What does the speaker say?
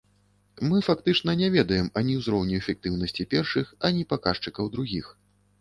Мы фактычна не ведаем ані ўзроўню эфектыўнасці першых, ані паказчыкаў другіх.